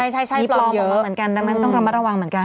ใช่ปลอมออกมาเหมือนกันดังนั้นต้องระมัดระวังเหมือนกัน